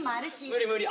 無理無理。